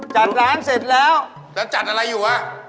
จัดร้านเสร็จแล้วแล้วจัดอะไรอยู่ล่ะ